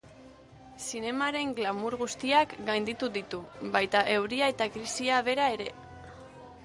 Zinemaren glamour guztiak gainditu ditu, baita euria eta krisia bera ere.